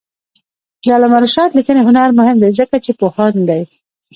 د علامه رشاد لیکنی هنر مهم دی ځکه چې پوهاند دی.